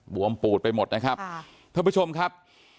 วมปูดไปหมดนะครับท่านผู้ชมครับ